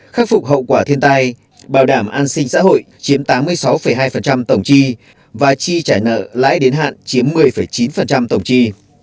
khắc phục hậu quả thiên tai bảo đảm an sinh xã hội chiếm tám mươi sáu hai tổng chi và chi trả nợ lãi đến hạn chiếm một mươi chín tổng chi